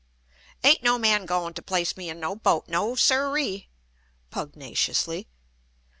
"Aint no man goin' t' place me in no boat! No siree!" pugnaciously.